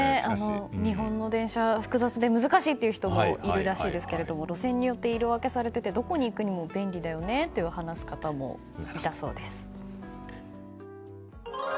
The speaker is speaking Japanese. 日本の電車難しいという人もいるらしいですが路線によって色分けされていてどこに行くにも便利だねとお話しする方もいたそうです。